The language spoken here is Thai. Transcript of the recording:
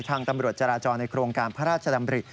ทางตำรวจจราจรในโครงการพระราชดำริ